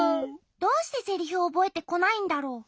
どうしてセリフをおぼえてこないんだろう？